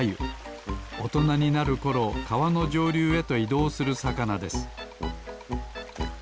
おとなになるころかわのじょうりゅうへといどうするさかなです